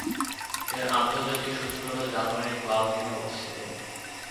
এর আন্তর্জাতিক সচিবালয় জার্মানীর বার্লিনে অবস্থিত।